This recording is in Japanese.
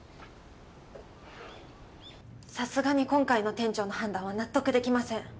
さすがに今回の店長の判断は納得できません。